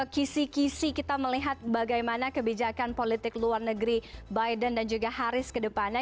kisih kisih kita melihat bagaimana kebijakan politik luar negeri biden dan juga harris kedepannya